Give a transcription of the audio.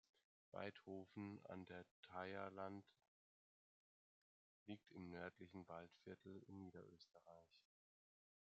Waidhofen an der Thaya-Land liegt im nördlichen Waldviertel in Niederösterreich.